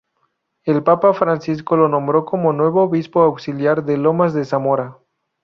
El papa Francisco lo nombró como nuevo Obispo Auxiliar de Lomas de Zamora.